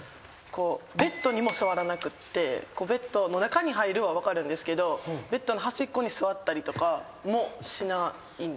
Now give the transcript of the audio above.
ベッドの中に入るは分かるんですけどベッドの端っこに座ったりとかもしないんですよ。